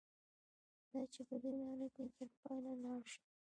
دا چې په دې لاره کې تر پایه لاړ شي.